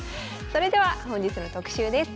それでは本日の特集です。